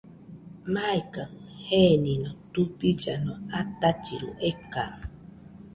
Maikajɨ genino tubillano atachiru eka.